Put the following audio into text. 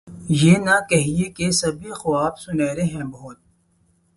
یہ نہ کہیے کہ سبھی خواب سہانے ہیں بہت